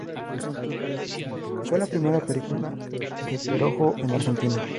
Fue la primera película de Perojo en Argentina.